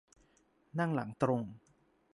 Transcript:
นั่งหลังตรง